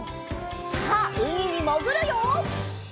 さあうみにもぐるよ！